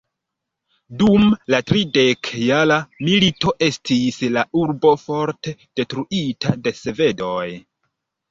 Dum la tridekjara milito estis la urbo forte detruita de svedoj.